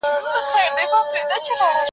نور كوچنيان دي سره خاندي